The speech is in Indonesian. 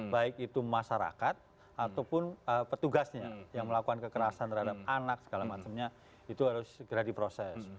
baik itu masyarakat ataupun petugasnya yang melakukan kekerasan terhadap anak segala macamnya itu harus segera diproses